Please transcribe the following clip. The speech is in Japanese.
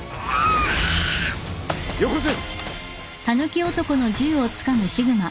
よこせ！